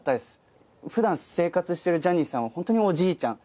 普段生活してるジャニーさんはホントにおじいちゃん。